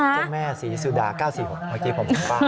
เจ้าแม่ศรีสุดา๙๔๖วันเกียรติภาพหมุนบ้าน